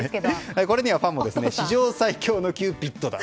これにはファンも史上最高のキューピッドだ。